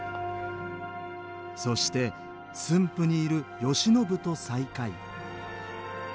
そして駿府にいる慶喜と再会。